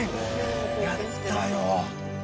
やったよ。